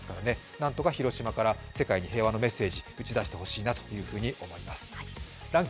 何とか広島から世界に平和のメッセージを打ち出してほしないと思います。